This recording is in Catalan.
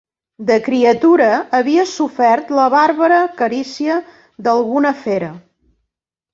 De criatura, havia sofert la bàrbara carícia d'alguna fera.